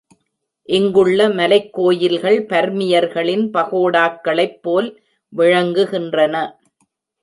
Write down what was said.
இங்குள்ள மலைக் கோயில்கள் பர்மியர்களின் பகோடா க்களைப் போல் விளங்குகின்றன.